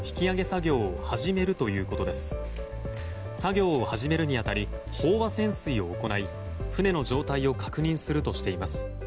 作業を始めるに当たり飽和潜水を行い船の状態を確認するとしています。